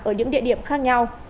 ở những địa điểm khác nhau